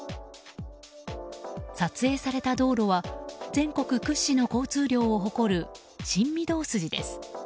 撮影された道路は全国屈指の交通量を誇る新御堂筋です。